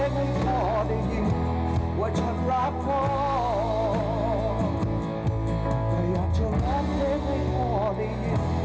แต่อยากจะรักเธอได้กว่านี้